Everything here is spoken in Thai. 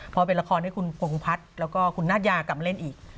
พอเป็นละครให้คุณพงพัฒน์แล้วก็คุณนาธยากลับมาเล่นอีก